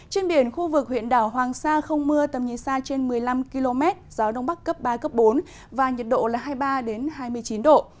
trên biển khu vực huyện đảo hoàng sa không mưa tầm nhìn xa trên một mươi năm km gió đông bắc cấp ba cấp bốn và nhiệt độ là hai mươi ba hai mươi chín độ